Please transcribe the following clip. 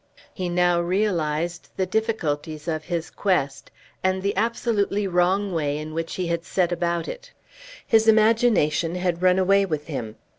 He now realized the difficulties of his quest, and the absolutely wrong way in which he had set about it. His imagination had run away with him.